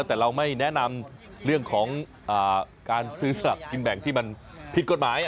แต่เราไม่แนะนำเรื่องของการซื้อสลักกินแบ่งที่มันผิดกฎหมาย